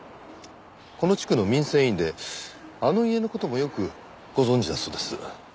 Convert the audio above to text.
この地区の民生委員であの家の事もよくご存じだそうです。